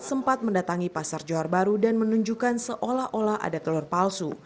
sempat mendatangi pasar johar baru dan menunjukkan seolah olah ada telur palsu